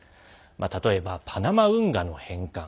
例えばパナマ運河の返還。